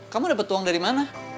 kamu dapat uang dari mana